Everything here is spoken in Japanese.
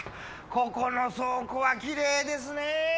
ここの倉庫はキレイですねぇ！